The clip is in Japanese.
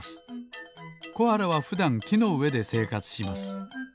コアラはふだんきのうえでせいかつします。